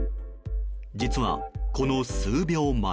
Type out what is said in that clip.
実は、この数秒前。